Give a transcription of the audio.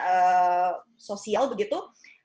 ketika ada pembatasan sosial begitu ya